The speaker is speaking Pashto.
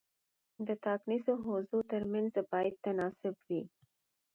د ټاکنیزو حوزو ترمنځ باید تناسب وي.